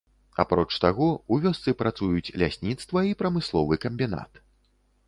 Апроч таго, у вёсцы працуюць лясніцтва і прамысловы камбінат.